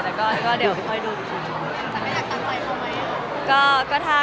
แต่ก็เดี๋ยวค่อยดู